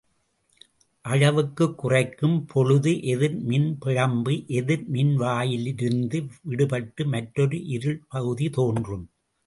அளவுக்குக் குறைக்கும் பொழுது எதிர் மின் பிழம்பு எதிர் மின்வாயிலிருந்து விடுபட்டு மற்றொரு இருள் பகுதி தோன்றும்.